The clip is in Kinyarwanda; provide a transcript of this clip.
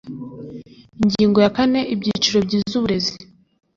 Ingingo ya kane Ibyiciro bigize uburezi